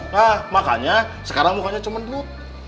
nah makanya sekarang mukanya cuma duit